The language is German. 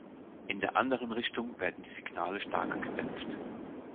In der anderen Richtung werden die Signale stark gedämpft.